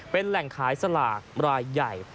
เป็นแหล่งขายสลากรายใหญ่